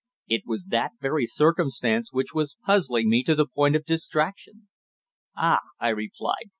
It was that very circumstance which was puzzling me to the point of distraction. "Ah!" I replied.